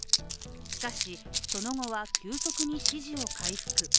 しかし、その後は急速に支持を回復。